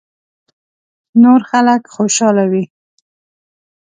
نور خلک خوشاله وي .